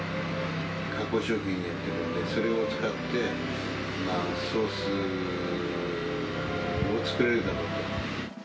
加工食品、それを使って、ソースを作れるだろうと。